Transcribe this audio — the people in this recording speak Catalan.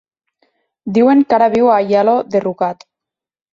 Diuen que ara viu a Aielo de Rugat.